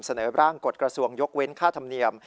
เสนอร่างกฎกระทรวงยกเว้นค่าธรรมเนียม